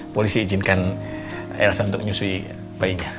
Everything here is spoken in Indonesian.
polisi izinkan elsa untuk menyusui pak india